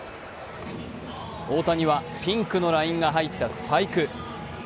大谷はピンクのラインが入ったスパイク。